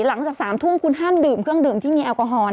หลังจาก๓ทุ่มคุณห้ามดื่มเครื่องดื่มที่มีแอลกอฮอล